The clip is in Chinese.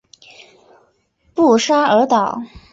布沙尔岛。